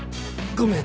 ごめん。